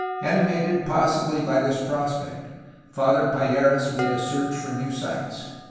Animated possibly by this prospect, Father Payeras made a search for new sites.